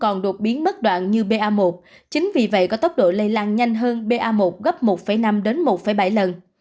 còn đột biến mất đoạn như ba một chính vì vậy có tốc độ lây lan nhanh hơn ba một gấp một năm đến một bảy lần